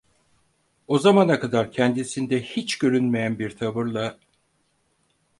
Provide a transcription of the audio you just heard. O zamana kadar kendisinde hiç görülmeyen bir tavırla: